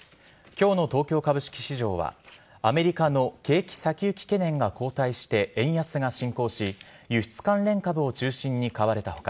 今日の東京株式市場はアメリカの景気先行き懸念が後退して、円安が進行し輸出関連株を中心に買われた他